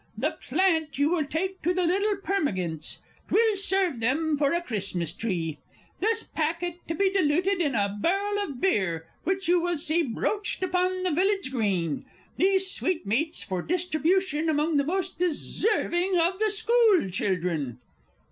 The plant you will take to the little Pergaments 'twill serve them for a Christmas tree. This packet to be diluted in a barrel of beer, which you will see broached upon the village green; these sweetmeats for distribution among the most deserving of the school children.